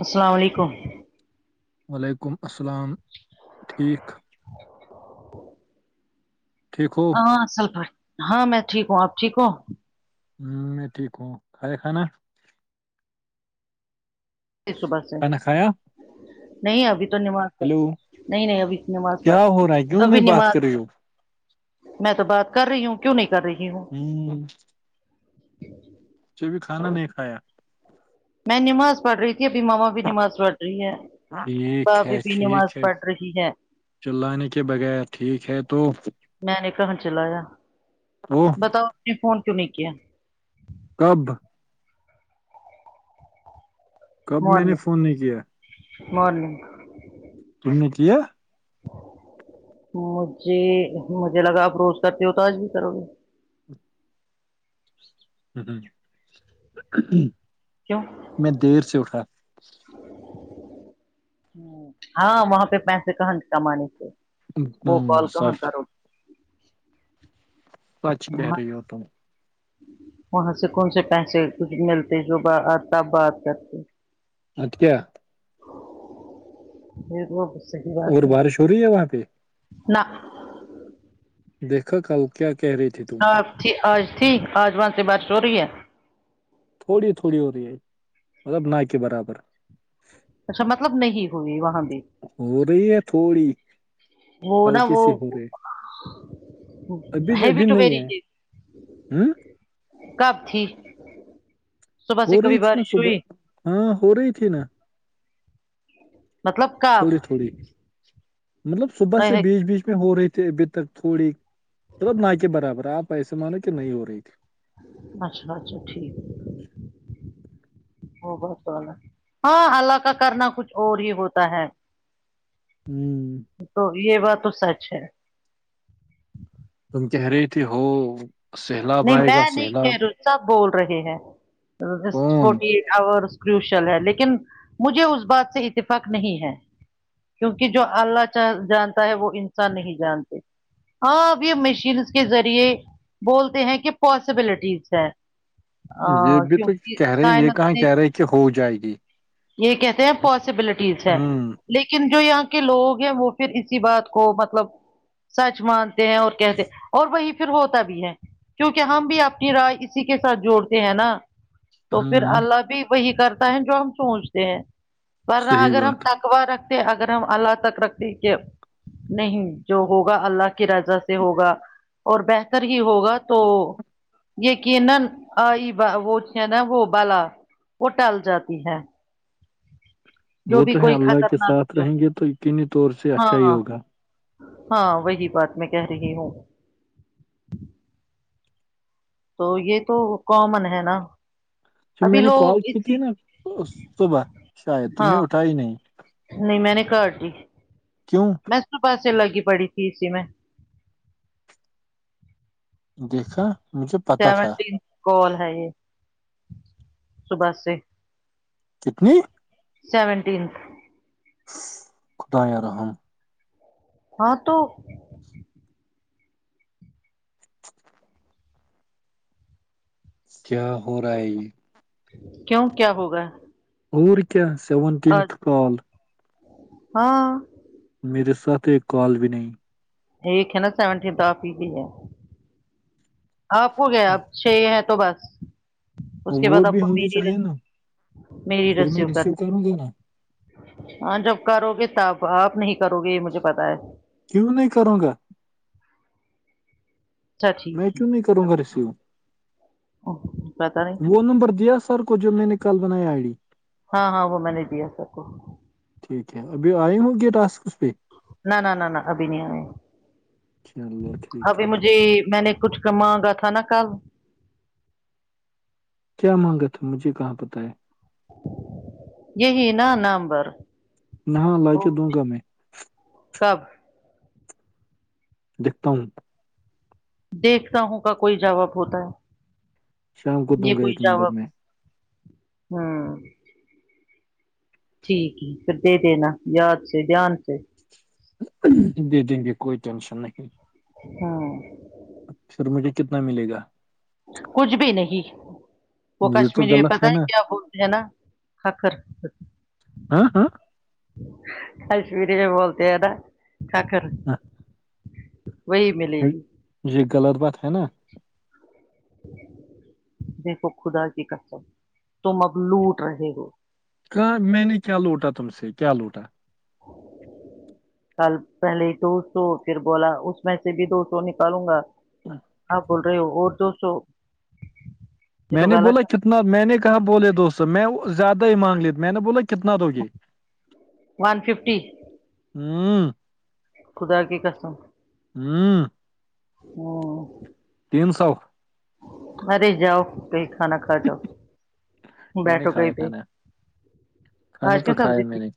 السلام علیکم وعلیکم السلام ٹھیک چچا [unintelligible] ٹھیک ہو ہاں اصل پر ہاں میں ٹھیک ہوں آپ ٹھیک ہوں ہوں میں ٹھیک ہوں کھائے کھانا صبح سے کھانا کھایا نہیں ابھی تو نوا ہیلو نہیں نہیں ابھی نماز پ کیا ہو رہا ہے کیوں ابھی نہیں بات نماز کر رہی ہو میں تو بات کر رہی ہوں کیوں نہیں کر رہی ہوں ہوں [unintelligible] ابھی کھانا نہیں کھایا میں نماز پڑھ رہی تھی ابھی ماما بھی نماز پڑھ رہی ہے ٹھیک ہے بھابھی بھی نماز ٹھیک ہے پڑھ رہی ہے چلانے کے بغیر ٹھیک ہے تو میں نے کہا چلایا وہ بتا اپ نے فون کیوں نہیں کیا کب کب میں نے مارننگ فون نہیں کیا مارننگ منے کیا مجھے مجھے لگا آپ روز کرتے ہو تو آج بھی کرو گے [unintelligible] کیوں میں دیر سے اٹھا [inaudible] ہاں وہاں پہ پیسے کہاں سے کمانے تھے ہم، وہ کال کہاں سچ کرو سچ گے کہہ وہاں رہی ہو تم وہاں سے کون سے پیسے کچھ ملتے جو ب ا تب بات کرتے اب کیا بھیج واپس اور بارش ہو رہی ہے وہاں پہ نہ دیکھا کل کیا کہہ رہی تھی تم آپ آج ٹھیک آج وہاں سے بارش ہو رہی ہے تھوڑی تھوڑی ہو رہی ہے مطلب نہ کہ برابر اچھا مطلب نہیں ہوئی وہاں بھی ہو رہی ہے تھوڑی وہ نا ہلکی وہ سی ہو رہی ابھی ن ہیوی ابھی ٹو نہیں ہے ویری ہ کب تھی صبح ہو سے کبھی رہی تھی نا بارش صبح ہوئی ہاں ہو رہی تھی نا مطلب کب تھوڑی تھوڑی مطلب صبح سے بیچ اچھا بیچ ہو رہی تھی ابھی تک تھوڑی مطلب نہ کے برابر آپ ایسے مانو کہ نہیں ہو رہی تھی ماشاءاللہ اچھا ٹھیک وہ بہت اعلی ہاں اللہ کا کرنا کچھ اور ہی ہوتا ہے ہوں تو یہ بات تو سچ ہے تم کہہ رہی تھی ہو سیلاب نہیں آئے گا میں نہیں سیلاب کہہ رہی ہوں، سب بول رہے ہیں جسٹ کون فورٹی ایٹھ آورس کروشل ہے لیکن مجھے اس بات سے اتفاق نہیں ہے کیونکہ جو اللہ چا جانتا ہے وہ انسان نہیں جانتے ہاں اب یہ مشینس کے ذریعے بول تے ہیں کہ پاسبلٹیز ہے یہ بھی تو کیونکہ کہہ رہے یہ سائنس کہاں نے کہہ رہے کہ ہو جائے گی یہ کہتے ہیں پاسبلٹیز ہے ہوں لیکن جو یہاں کے لوگ ہیں وہ پھر اسی بات کو مطلب سچ مانتے ہیں اور کہتے اور وہی پھر ہوتا بھی ہے کیونکہ ہم بھی اپنی رائے اسی کے ساتھ جوڑتے ہیں نا تو پھر ہوں اللہ بھی وہی کرتا ہے جو ہم سوچتے ہیں ورنہ صحیح اگر ہم بات تک دعا رکھتے اگر ہم اللہ تک رکھتے کہ نہیں جو ہوگا اللہ کے رضا سے ہوگا اور بہتر ہی ہوگا تو یقینا آئی ب وہ جو ہے نہ وہ بلا وہ ٹل جاتی ہے جو وہ بھی تو ہے کوئی اللہ کے خطرناک ساتھ جو رہیں گے تو یقینی طور سے اچھا ہی ہاں ہوگا ہاں وہی بات میں کہہ رہی ہوں تو یہ تو کامن ہے نا جب میں ابھی نے کال لوگ کی اسی تھی نا صبح شاید تم ہاں نے اٹھائی نہیں نہیں میں نے کٹدی کیوں میں صبح سے لگی پڑی تھی اسی میں دیکھا مجھے پتا تھا سیونٹین کال ہے یہ صبح سے کتنی سیونٹینت خدا یا رحم ہاں تو کیا ہو رہا ہے یہ کیوں کیا ہوگا اور کیا سیونٹینتھ آج- کال ہاں میرے ساتھ ایک کال بھی نہیں ایک ہے نا سیونٹینت آپ ہی کی ہے آپ کو گیا اب اچھے تو بس اس کے وہ بعد آپ بھی کو ہونی میری ر چاہیے نا میری پھر میں رسیو ریسیو کرنی کروں گا نا ہاں جب کرو گے تب آپ نہیں کرو گے یہ مجھے پتا ہے کیوں نہیں کروں گا میں ٹھیک ہے کیوں نہیں کر کروں گا دی. ریسیو اوہ، پتا نہیں وہ نمبر دیا سر کو جو میں نے کل بنایا آئی ڈی ہاں ہاں وہ میں نے دیا سر کو ٹھیک ہے ابھی آئے ہ ہو ٹیکساس پہ نہ نہ نہ نہ ابھی نہیں آئے چلو ٹھیک ابھی ہے مجھے میں نے کچھ کا مانگا تھا نا کل کیا مانگا تھا مجھے کہاں پتا ہے یہی نا نامبر نہاں مرکے دوں گا میں کب دیکھتا ہوں دیکھتا ہوں کا کوئی جواب ہوتا شام کو ہے یہ دوں گا کوئی ایک نمبر جواب میں ہوں ٹھیک ہے پھر دے دینا یاد سے دھیان سے دے دیں گے کوئی ٹینشن نہیں ہاں پھر مجھے کتنا ملے گا کچھ بھی نہیں وہ یہ تو کشمیری غلط پتا ہے نا کیا بولتے ہیں نا ک کر ہاں ہاں کشمیری میں بولتے ہیں نا ککر ہاں، وہی ملے گی یہ غلط بات ہے نا دیکھو خدا کی قسم تم اب لوٹ رہے ہو کیا میں نے کیا لوٹا تم سے کیا لوٹا [inaudible] کل پہلے دو سو پھر بولا اس میں سے بھی دو سو نکالوں گا اب بول رہے ہو اور دو سو یہ میں تو نے بولا غلط ہے، کتنا میں نے کہاں بولے دو سو میں زیادہ ہی مانگ لی میں نے بولا کتنا دو گے ون ففٹی ہوں خدا کے قسم ہوں ہوں تین سو مرے جاؤ کئی کھانا کھا جاؤ میں نے بیٹھو کہیں کھایا پہ کھانا کھانا آج تو کیا کھایا سبزی میں تھی نے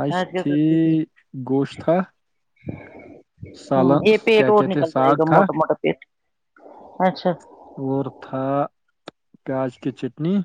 آج تھی گوشت تھا ہوں سالن یہ پیٹ کیا اور کہتے نکل جائے ساگ گا تھا موٹا موٹا پیٹ اچھا اور تھا پیاز کی چٹنی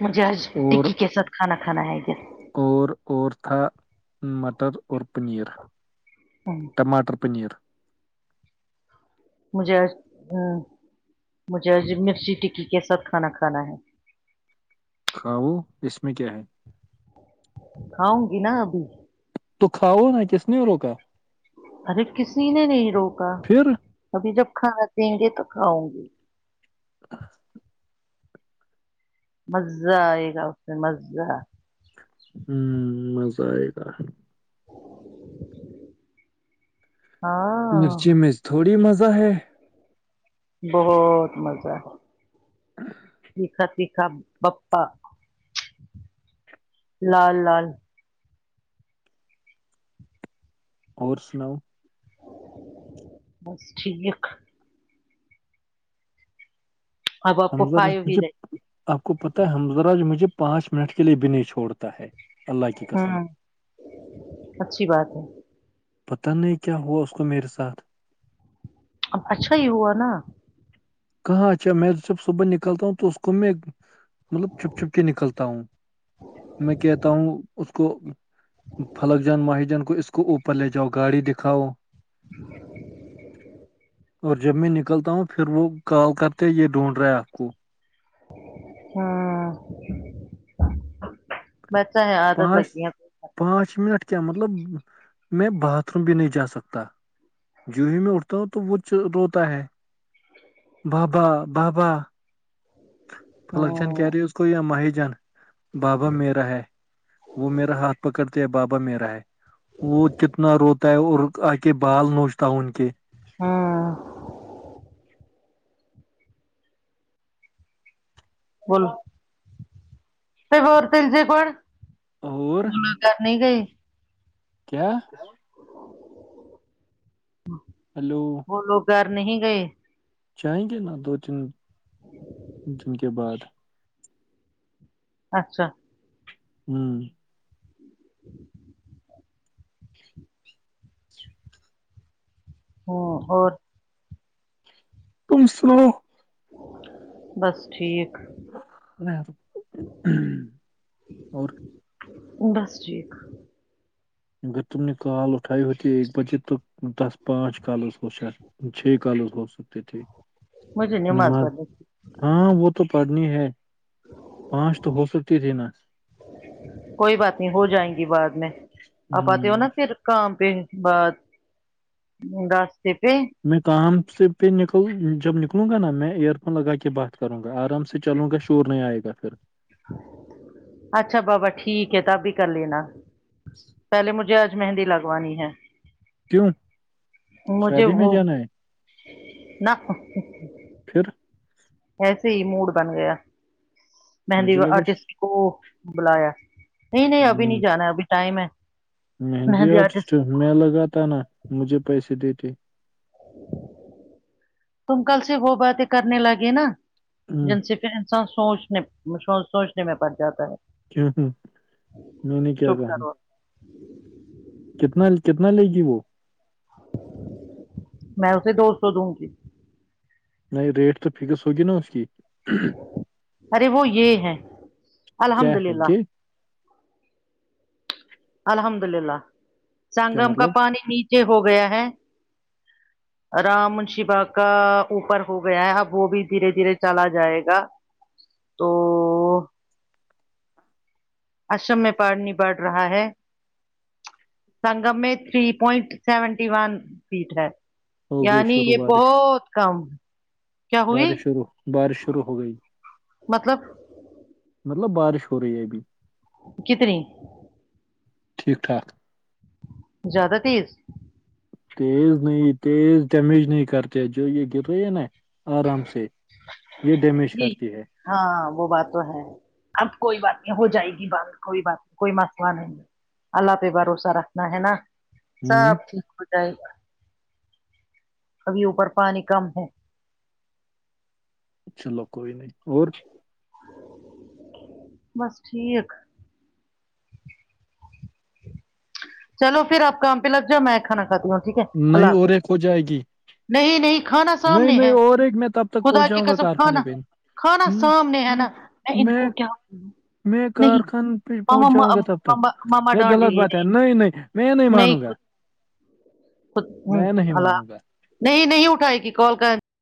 مجھے آج اور ٹکی کے ساتھ کھانا کھانا ہے جی اور اور تھا مٹر اور پنیر ہوں ٹماٹر پنیر مجھے آج وں مجھے آج مرچی ٹکی کے ساتھ کھانا کھانا ہے کھاؤ اس میں کیا ہے کھاؤں گی نا ابھی تو کھاؤ نا کس نے روکا ارے کسی نے نہیں روکا پھر ہ ابھی جب کھانا دیں گے تو کھاؤں گی مزہ آئے گا اس میں مزہ ہوں مزہ آئے گا ہاں مرچی میں یچ تھوڑی مزہ ہے بہت مزہ ہے [inaudible] تیکھا تیکھا پپا لال لال اور سناؤ بس ٹھیک اب آپ کو حمزہ فائیو ہی مجھے رہی آپ کو پتا ہے حمزہ آج مجھے پانچ منٹ کے لیے بھی نہیں چھوڑتا ہے اللہ کی قسم ہوں اچھی بات ہے پتا نہیں کیا ہوا اس کو میرے ساتھ اب اچھا ہی ہوا نا کہاں اچھا میں تو جب صبح نکلتا ہوں تو اس کو میں مطلب چھپ چھپ کے نکلتا ہوں میں کہتا ہوں اس کو فلک جان ماہی جان کو اس کو اوپر لے جاؤ گاڑی دکھاؤ اور جب میں نکلتا ہوں پھر وہ کال کرتے یہ ڈھونڈ رہا ہے آپ کو ہاں بچہ ہے عادت لگ پانچ گئی اب پانچ منٹ کیا مطلب میں باتھ روم بھی نہیں جا سکتا جوں ہی میں اٹھتا ہوں تو وہ چ روتا ہے بابا بابا فلک جان کہہ ہوں رہی اس کو یا ماہی جان بابا میرا ہے وہ میرا ہاتھ پکڑتے ہے بابا میرا ہے وہ کتنا روتا ہے اور آ کے بال نوچتا ہوں ان کے ہاں بولو پ ہوور تل جے کوول اور ملہ کرنی گئی [unintelligible] کیا ہیلو وہ لوگ گھر نہیں گئے جائیں گے نا دو تین دن کے بعد اچھا ہوں ہمم اور تم سنو بس ٹھیک اور بس جی اگر تم نے کال اٹھائی ہوتی ایک بجے تو دس پانچ کالز شاید چھ کالز ہو سکتے تھے مجھے نماز پڑھنی ہاں وہ تو پڑھنی ہے پانچ تو ہو سکتی تھی نا کوئی بات نہیں ہو جائیں گی بعد میں ہم، آپ آتے ہو نا پھر کام پہ بعد رستے پہ میں کام سے پہ نکل جب نکلوں گا نا میں ایئر فون لگا کے بات کروں گا آرام سے چلوں گا ش ور نہیں آئے گا پھر اچھا بابا ٹھیک ہے تبھی کر لینا پہلے مجھے اچ مہندی لگوانی ہے کیوں مجھے شادی میں وہ جانا ہے نہ پھر ایسے ہی موڈ بن گیا مہندی مجھے لگا آرٹسٹ کو بلایا نہیں نہیں ابھی ہ نہیں جانا ہے ابھی ٹائم ہے مہندی آرٹسٹ میں لگاتا نا مجھے پیسے دیتے تم کل سے وہ باتیں کرنے لگے نا ہم، جن سے انسان سوچنے [unintelligible] سوچنے میں پڑ جاتا ہے کیوں ہوں میں نے کیا چپ کہا کرو کتنا کتنا لے گی وہ میں اسے دوسو دوں گی نہیں ریٹ تو فکس ہوگی نا اس کی ارے وہ یہ ہے کیا الحمد ہے للہ یہ الحمد للہ کیا سنگم کا مطلب پانی نیچے ہو گیا ہے رام شیبا کا اوپر ہو گیا ہے اب وہ بھی دھیرے دھیرے چلا جائے گا تو اشم میں پاننی بڑھ رہا ہے سنگم میں three point seventy one feet ہے ہو گئی یعنی شروع یہ بارش بہت کم کیا ہوئی بارش شروع بارش شروع ہو گئی مطلب مطلب بارش ہو رہی ہے ابھی کتنی ٹھیک ٹھاک زیادہ تیز تیز نہیں تیز ڈیمیج نہیں کرتے جو یہ گر رہی ہے نا آرام سے یہ ڈیمیج جی کرتی ہے ہاں وہ بات تو ہے اب کوئی بات نہیں ہو جائے گی بند کوئی بات نہیں کوئی مسئلہ نہیں ہے اللہ پہ بھروسہ رکھنا ہے نا ہوں سب ٹھیک ہو جائگا ابھی اوپر پانی کم ہو چلو کوئی نہیں اور بس ٹھیک چلو پھر آپ کام پہ لگ جاؤ میں کھانا کھاتی ہوں ٹھیک ہے نہیں اللہ اور حافظ ایک ہو جائے گی نہیں نہیں کھانا نہیں سامنے نہیں ہے اور ایک میں تب تک خدا پہنچ کی جاؤں گا قسم کارخانے کھانا پہ کھانا سامنے ہے نا میں ان کو کیا بولوں میں کارخانہ پہ پہنچ جاؤں گا تب تک ماما یہ ڈانٹے غلط گی بات ہے نہیں نہیں میں نہیں مانوں گا خد ہ میں نہیں حلا مانوں گا نہیں نہیں اٹھائے گی کال کر